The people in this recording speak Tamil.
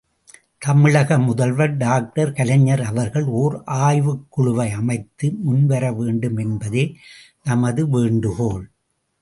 தமிழக முதல்வர் டாக்டர் கலைஞர் அவர்கள் ஓர் ஆய்வுக்குழுவை அமைத்து முன்வர வேண்டும் என்பதே நமது வேண்டுகோள்.